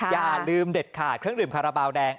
อย่าลืมเด็ดขาดเครื่องดื่มคาราบาลแดง